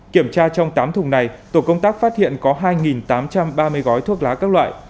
kiểm tra trong tám thùng này tổ công tác phát hiện có hai tám trăm ba mươi gói thuốc lá các loại